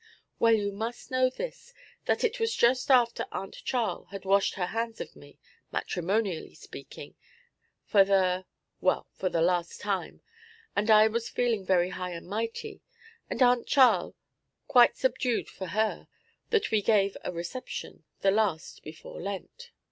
'Well, you must know this, that it was just after Aunt Charl had "washed her hands of me," matrimonially speaking, for the well, for the last time; and I was feeling very high and mighty, and Aunt Charl quite subdued, for her, that we gave a reception, the last before Lent.